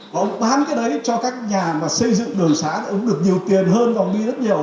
và ông bán cái đấy cho các nhà mà xây dựng đường xá thì ông ổng được nhiều tiền hơn vòng bi rất nhiều